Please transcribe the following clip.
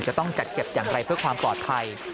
จะต้องจัดเก็บอย่างไรเพื่อความปลอดภัย